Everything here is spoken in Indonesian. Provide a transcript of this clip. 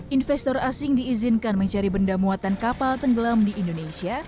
investor asing diizinkan mencari benda muatan kapal tenggelam di indonesia